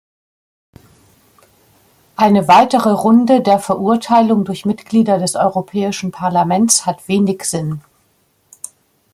Eine weitere Runde der Verurteilung durch Mitglieder des Europäischen Parlaments hat wenig Sinn.